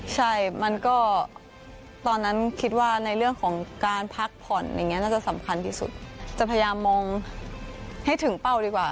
ใช่มันก็ตอนนั้นคิดว่าในเรื่องของการพักผ่อนอย่างนี้น่าจะสำคัญที่สุดจะพยายามมองให้ถึงเป้าดีกว่า